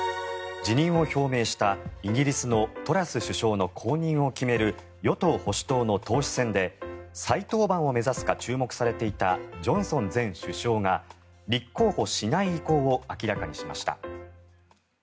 辞任を表明したイギリスのトラス首相の後任を決める与党・保守党の党首選で再登板を目指すか注目されていたジョンソン前首相が立候補しない意向を明らかにしました。